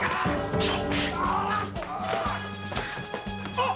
あっ！